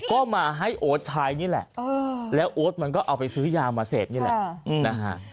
ก็มาให้โอ๊ตใช้นี่แหละแล้วโอ๊ตมันก็เอาไปซื้อยามาเสพนี่แหละนะฮะ